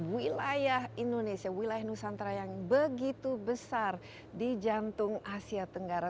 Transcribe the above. wilayah indonesia wilayah nusantara yang begitu besar di jantung asia tenggara